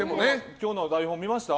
今日の台本、見ました？